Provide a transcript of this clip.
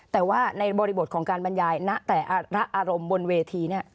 แต่ว่าในบริบทของการบรรยายณแต่ละอารมณ์บนเวทีเนี่ย